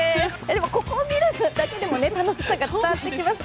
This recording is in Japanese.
でも、ここを見るだけでも楽しさが伝わってきます。